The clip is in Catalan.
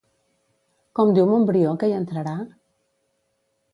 Com diu Montbrió que hi entrarà?